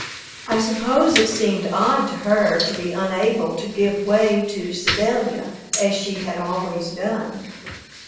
I suppose it seemed odd to her to be unable to give way to Sedalia as she had always done.